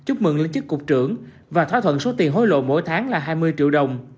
chúc mừng lên chức cục trưởng và thỏa thuận số tiền hối lộ mỗi tháng là hai mươi triệu đồng